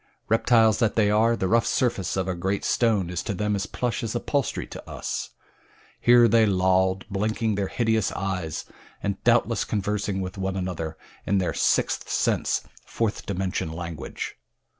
Reptiles that they are, the rough surface of a great stone is to them as plush as upholstery to us. Here they lolled, blinking their hideous eyes, and doubtless conversing with one another in their sixth sense fourth dimension language.